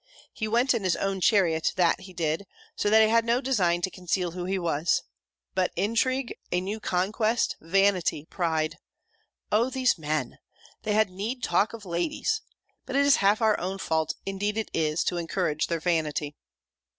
He went in his own chariot, that he did: so that he had no design to conceal who he was But intrigue, a new conquest, vanity, pride! O these men! They had need talk of ladies! But it is half our own fault, indeed it is, to encourage their vanity.